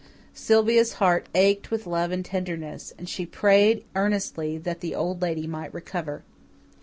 Sylvia's heart ached with love and tenderness, and she prayed earnestly that the Old Lady might recover.